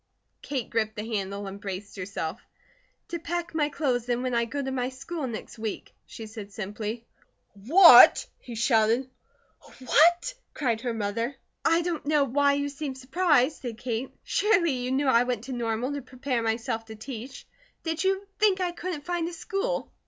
Kate gripped the handle and braced herself. "To pack my clothes in when I go to my school next week," she said simply. "What?" he shouted. "What?" cried her mother. "I don't know why you seem surprised," said Kate. "Surely you knew I went to Normal to prepare myself to teach. Did you think I couldn't find a school?"